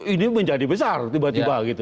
ini menjadi besar tiba tiba gitu